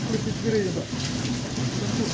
di kiri pak